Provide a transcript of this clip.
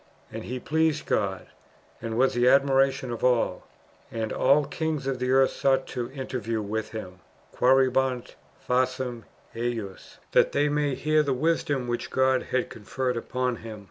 ^ And he pleased God, and was the admiration of all ; and all kings of the earth sought an interview with him (qucerebant faciem ejus), that they might hear the wisdom which God had conferred upon him.""